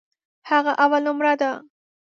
هغه اولنومره دی.